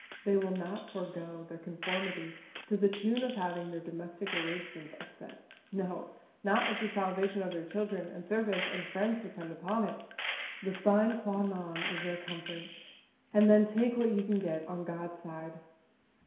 They will not forego their conformity to the tune of having their domestic arrangements upset no, not if the salvation of their children, and servants, and friends depends upon it. The sine qua non is their own comfort, and then take what you can get, on God's side.